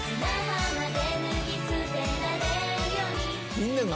みんなが。